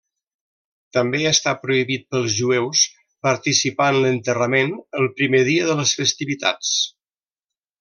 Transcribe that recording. També està prohibit pels jueus participar en l'enterrament el primer dia de les festivitats.